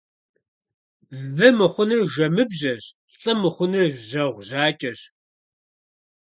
Вы мыхъунур жэмыбжьэщ, лӀы мыхъунур жьэгъу жьакӀэщ.